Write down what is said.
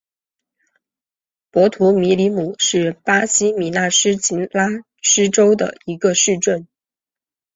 博图米里姆是巴西米纳斯吉拉斯州的一个市镇。